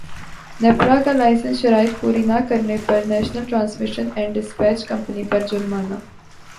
نیپرا کا لائسنس شرائط پوری نہ کرنے پر national transmission and dispatch company پر جرمانہ